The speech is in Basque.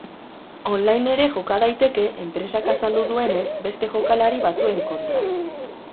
On-line ere joka daiteke, enpresak azaldu duenez, beste jokalari batzuen kontra.